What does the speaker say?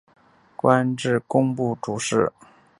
官至工部主事。